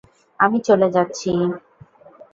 আমি চলে যাচ্ছি!